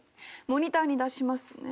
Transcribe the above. モニターに出しますね。